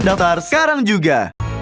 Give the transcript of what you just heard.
daftar sekarang juga